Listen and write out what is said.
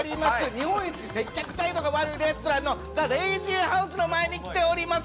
日本一接客態度が悪いレストランのｔｈｅＬＡＺＹＨＯＵＳＥの前に来ております。